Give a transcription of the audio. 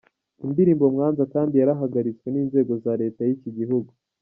indirimbo Mwanza kandi yarahagaritswe n'inzego za leta y'iki gihugu.